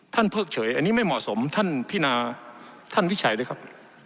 เพิกเฉยอันนี้ไม่เหมาะสมท่านพินาท่านวิจัยด้วยครับ